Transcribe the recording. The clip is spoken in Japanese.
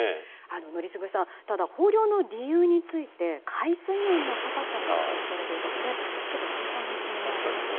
宜嗣さんただ豊漁の理由について海水温の高さも指摘されていてこれ、ちょっと心配な一面もありますね。